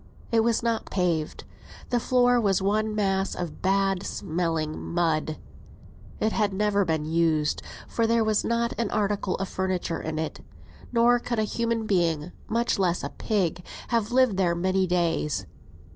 It was not paved; the floor was one mass of bad smelling mud. It had never been used, for there was not an article of furniture in it; nor could a human being, much less a pig, have lived there many days.